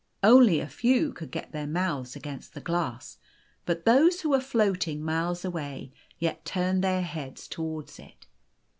Only a few could get their mouths against the glass ; but those who were floating miles away yet turned their heads towards it.